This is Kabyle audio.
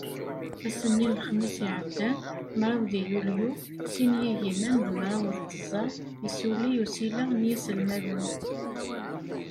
Ass-nni n lexmis iɛeddan, mraw deg yulyu, sin yigiman d mraw d tẓa, yessuli usileɣ n yiselmaden.